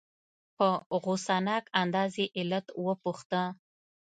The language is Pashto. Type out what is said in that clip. په غصناک انداز یې علت وپوښته.